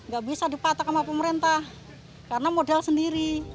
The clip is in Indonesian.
gak bisa dipatok sama pemerintah karena modal sendiri